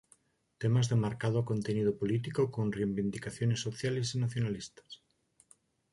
Temas de marcado contenido político con reivindicaciones sociales y nacionalistas.